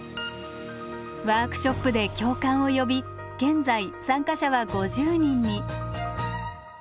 ワークショップで共感を呼び現在参加者は５０人に。